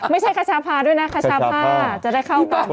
ไม่ใช่ขาชาภาด้วยนะขาชาภาจะได้เข้ากัน